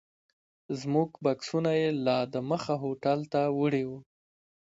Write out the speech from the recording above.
زموږ بکسونه یې لا دمخه هوټل ته وړي وو.